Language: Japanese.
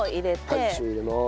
はい塩入れます。